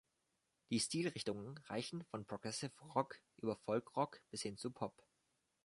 Die Stilrichtungen reichten vom Progressive Rock über Folkrock bis hin zum Pop.